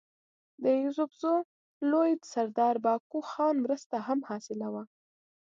د يوسفزو لوئ سردار بهاکو خان مرسته هم حاصله وه